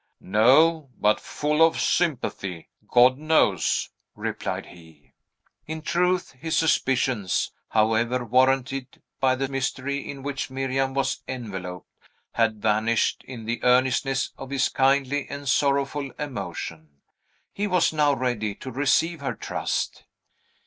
"No; but full of sympathy, God knows!" replied he. In truth, his suspicions, however warranted by the mystery in which Miriam was enveloped, had vanished in the earnestness of his kindly and sorrowful emotion. He was now ready to receive her trust.